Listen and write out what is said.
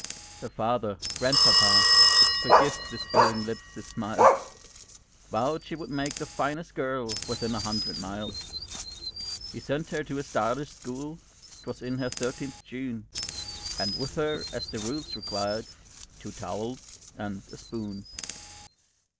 Her father grandpapa! forgive This erring lip its smiles Vowed she would make the finest girl Within a hundred miles. He sent her to a stylish school; 'Twas in her thirteenth June; And with her, as the rules required, "Two towels and a spoon."